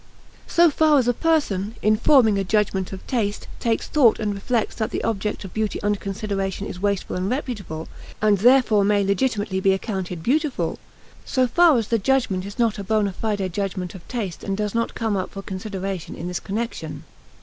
So far as a person, in forming a judgment of taste, takes thought and reflects that the object of beauty under consideration is wasteful and reputable, and therefore may legitimately be accounted beautiful; so far the judgment is not a bona fide judgment of taste and does not come up for consideration in this connection.